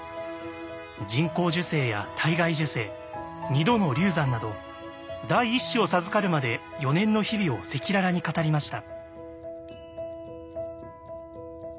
人工授精や体外受精２度の流産など第一子を授かるまで４年の日々を赤裸々に語りました。